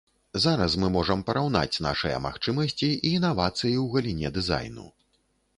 Зараз мы можам параўнаць нашыя магчымасці і інавацыі ў галіне дызайну.